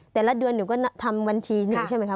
แต่ละเดือนหนูก็ทำบัญชีหนึ่งใช่ไหมคะ